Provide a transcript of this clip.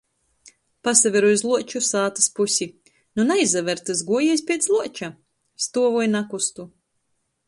Pasaveru iz Luoču sātys pusi. Nu naizaver tys guojiejs piec luoča... Stuovu i nakustu.